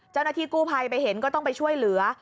เจ้าหน้าที่กู้ภัยไปเห็นก็ต้องไปช่วยเหลือ